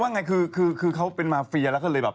อย่างเงี้ยคือเค้าเป็นมาเฟียแล้วเค้าเลยแบบ